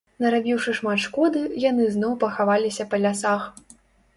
Нарабіўшы шмат шкоды, яны зноў пахаваліся па лясах.